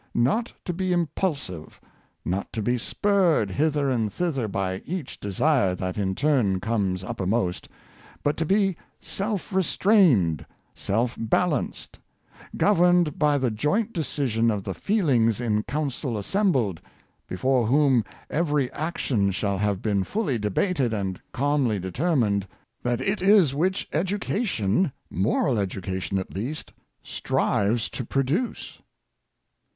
Not to be impulsive — not to be spurred hither and thither by each desire that in turn comes upper n^ost — but to be self restrained, self balanced, governed by the joint decision of the feelings in counsel assem bled, before whom every action shall have been fully debated and calmly determined — that it is which edu cation, moral education at least, strives to produce."